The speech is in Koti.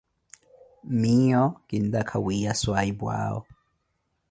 Miiyo kinttaka wiiya swahipwa awo.